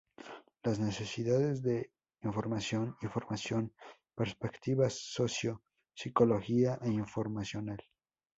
Las necesidades de información y formación: perspectivas socio-psicológica e informacional.